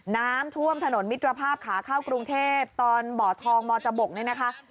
น้ำท่วมถนนมิตรภาพขาเข้ากรุงเทพตอนบ่อทองมจบกนี่นะคะ